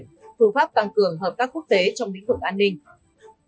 phương pháp tăng cường hợp tác quốc tế trong lĩnh vực an ninh